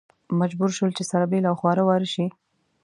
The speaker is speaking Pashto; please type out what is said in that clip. مجبور شول چې سره بېل او خواره واره شي.